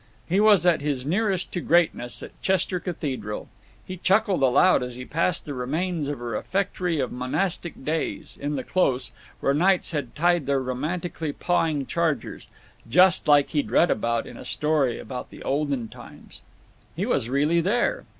He was at his nearest to greatness at Chester Cathedral. He chuckled aloud as he passed the remains of a refectory of monastic days, in the close, where knights had tied their romantically pawing chargers, "just like he'd read about in a story about the olden times." He was really there.